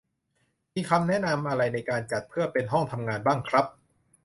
มีคำแนะนำอะไรในการจัดเพื่อเป็นห้องทำงานบ้างครับ ?